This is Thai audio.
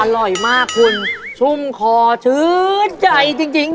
อร่อยมากคุณชุ่มคอชื้นใหญ่จริง